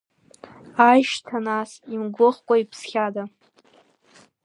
Ааи, шьҭа нас, имгәыӷкәа иԥсхьада!